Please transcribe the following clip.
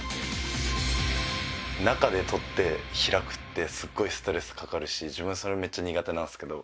中でとって開くってすごいストレスかかるし自分、それめっちゃ苦手なんですけど。